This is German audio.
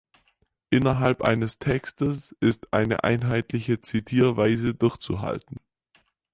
Innerhalb eines Textes ist eine einheitliche Zitierweise durchzuhalten.